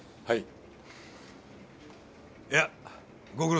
はい。